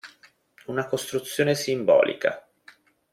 Una costruzione simbolica.